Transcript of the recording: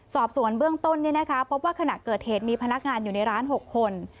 สอบสวนเบื้องต้นพบว่าขณะเกิดเหตุมีพนักงานอยู่ในร้าน๖คน